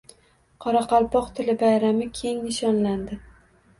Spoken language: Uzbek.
Qoraqalpoq tili bayrami keng nishonlandi